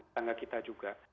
tangga kita juga